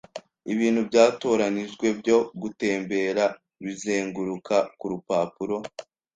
ibintu byatoranijwe byo gutembera bizenguruka kurupapuro